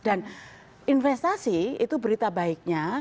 dan investasi itu berita baiknya